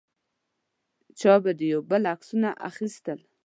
چا به د یو بل عکسونه اخیستل.